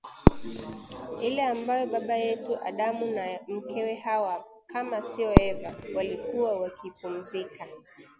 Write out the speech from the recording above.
Ile ambayo baba yetu Adamu na Mkewe Hawa kama sio Eva walikuwa wakipumzika